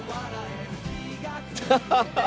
「ハハハハ！」